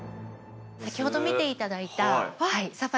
先ほど見ていただいた。